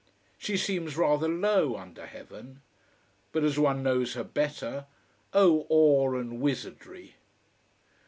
She seems rather low, under heaven. But as one knows her better, oh awe and wizardy!